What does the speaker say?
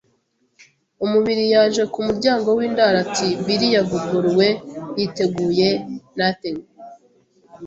umubiri, yaje ku muryango w'indaro. Ati: "Bill yavuguruwe yiteguye"; “Nothin '